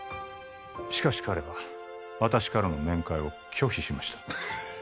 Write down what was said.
しかし彼は私からの面会を拒否しました